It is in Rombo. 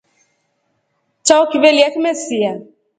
Chao kivelya kimesia.